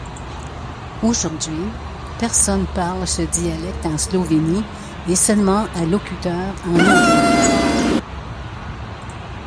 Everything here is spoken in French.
Aujourd'hui, personnes parlent ce dialecte en Slovénie et seulement à locuteurs en Hongrie.